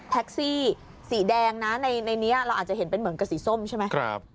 แท็กซี่สีแดงนะในนี้เราอาจจะเห็นเป็นเหมือนกับสีส้มใช่ไหม